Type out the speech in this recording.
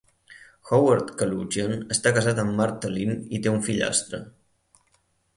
Howard Kaloogian està casat amb Martha Lynn i té un fillastre.